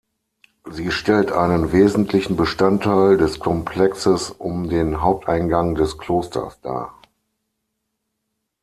Sie stellt einen wesentlichen Bestandteil des Komplexes um den Haupteingang des Klosters dar.